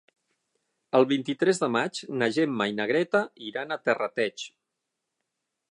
El vint-i-tres de maig na Gemma i na Greta iran a Terrateig.